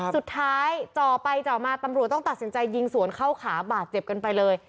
สุดท้ายเจาะไปเจาะมาตำรวจต้องตัดสินใจยิงสวนเข้าขาบาดเจ็บกันไปเลย